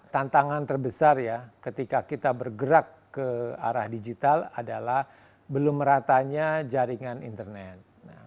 tantangan terbesar ya ketika kita bergerak ke arah digital adalah belum meratanya jaringan internet